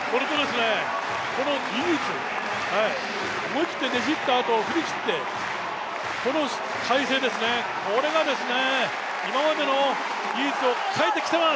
この技術、思い切ってねじったあと振り切って、この体勢ですね、これが今までの技術を買えてきてます。